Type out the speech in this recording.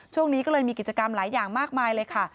ช่วงนี้ก็เลยมีกิจกรรมหลายอย่างมากมายเลยค่ะ